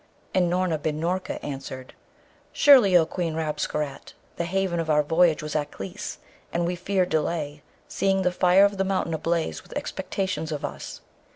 And Noorna bin Noorka answered, 'Surely, O Queen Rabesqurat, the haven of our voyage was Aklis, and we feared delay, seeing the fire of the mountain ablaze with expectations of us.'